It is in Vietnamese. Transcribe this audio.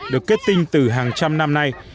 được kết tinh từ hàng trăm năm nay